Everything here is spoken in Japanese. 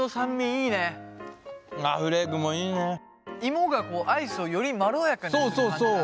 いもがアイスをよりまろやかにしてる感じだね。